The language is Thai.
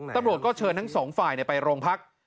ตำรวจก็เชิญทั้งสองฝ่ายไปโรงพัก